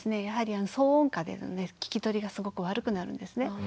やはり騒音下での聞き取りがすごく悪くなるんですね。